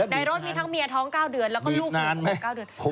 รถมีทั้งเมียท้อง๙เดือนแล้วก็ลูก๑ขวบ๙เดือน